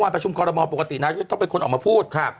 เขาไม่มีการติดต่อกับ